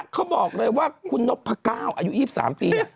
เขาบอกเลยว่าคุณนพก้าวอายุ๒๓ปีเนี่ย